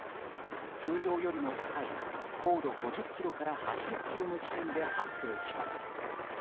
通常よりも高い高度５０ｋｍから８０ｋｍの地点で発生します。